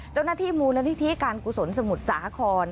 เจ้าหน้าที่มูลนิธิการกุศลสมุทรสาคร